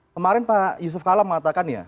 kemarin pak yusuf kala mengatakan ya